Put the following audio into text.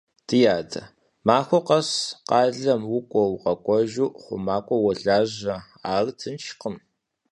Ди адэ, махуэ къэс къалэм укӀуэ-укъэкӀуэжу хъумакӀуэу уолажьэ, ар тыншкъым.